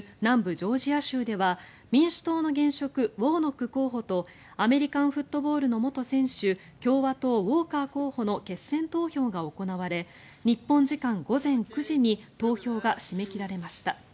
ジョージア州では民主党の現職ウォーノック候補とアメリカンフットボールの元選手共産党、ウォーカー候補の決選投票が行われ日本時間午前９時に投票が締め切られました。